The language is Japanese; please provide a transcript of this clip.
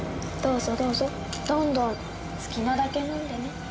どうぞどうぞどんどん好きなだけ飲んでね